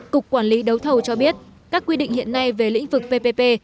cục quản lý đấu thầu cho biết các quy định hiện nay về lĩnh vực ppp